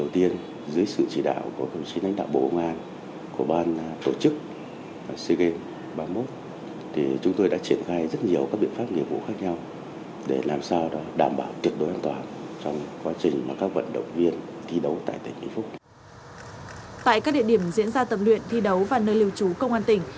tại các địa điểm diễn ra tập luyện thi đấu và nơi liều trú công an tỉnh